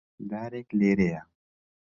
دارێک لێرەیە.